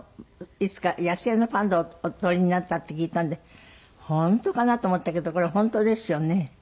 いつか野生のパンダをお撮りになったって聞いたんで本当かなと思ったけどこれ本当ですよね。